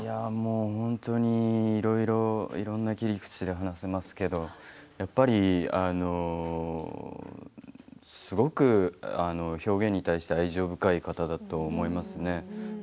本当にいろいろいろんな切り口で話せますけどやっぱり、すごく表現に対して愛情深い方だと思いますね。